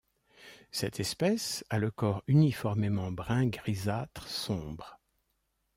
Cette espèce a le corps uniformément brun grisâtre sombre.